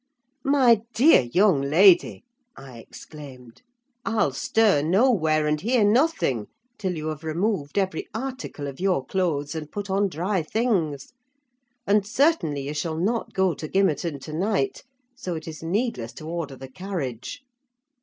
"My dear young lady," I exclaimed, "I'll stir nowhere, and hear nothing, till you have removed every article of your clothes, and put on dry things; and certainly you shall not go to Gimmerton to night, so it is needless to order the carriage."